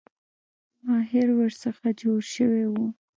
ماهر ورڅخه جوړ شوی وو.